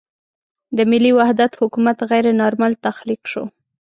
د ملي وحدت حکومت غیر نارمل تخلیق شو.